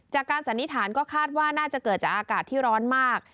สันนิษฐานก็คาดว่าน่าจะเกิดจากอากาศที่ร้อนมาก